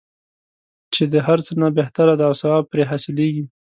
چې د هر څه نه بهتره دی او ثواب پرې حاصلیږي.